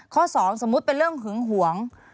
สองสมมุติเป็นเรื่องหึงหวง